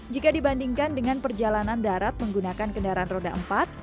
jika dibandingkan dengan perjalanan darat menggunakan kendaraan roda empat